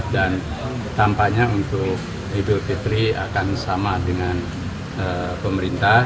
dan tampaknya untuk idul fitri akan sama dengan pemerintah